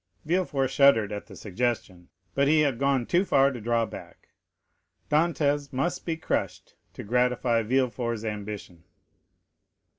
Villefort shuddered at the suggestion; but he had gone too far to draw back. Dantès must be crushed to gratify Villefort's ambition.